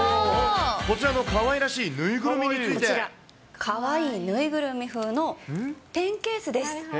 こちらのかわいらしい縫いぐるみこちら、かわいい縫いぐるみ風のペンケースです。